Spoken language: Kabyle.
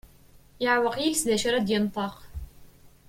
Yeɛweq yiles d acu ara d-yenṭeq.